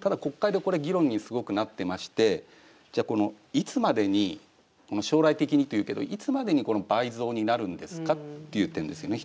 ただ、国会でこれ議論にすごくなってまして将来的にと言うけど、いつまでにこの倍増になるんですかっていう点ですよね、１つは。